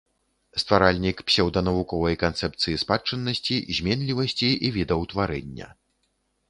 Стваральнік псеўданавуковай канцэпцыі спадчыннасці, зменлівасці і відаўтварэння.